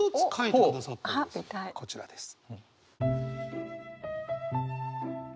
こちらです。